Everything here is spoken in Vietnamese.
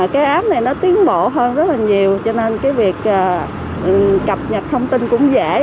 cái app này nó tiến bộ hơn rất là nhiều cho nên cái việc cập nhật thông tin cũng dễ